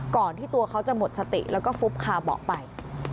ก่อนที่ตัวเขาจะหมดสติแล้วก็ฟุบคาเบาะไป